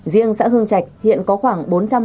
riêng xã hương chạch hiện có khoảng